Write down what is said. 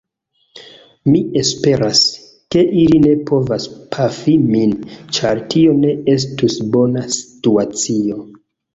Mi esperas, ke ili ne povas pafi min, ĉar tio ne estus bona situacio.